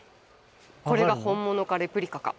これが本物かレプリカか。